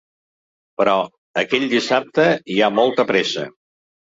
Però aquell dissabte hi ha molta pressa.